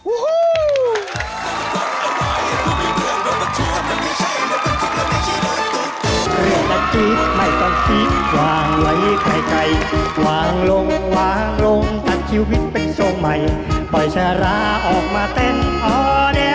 วู้ฮู้